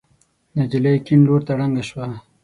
نجلۍ کيڼ لور ته ړنګه شوه.